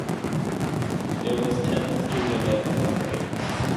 There are ten students representatives.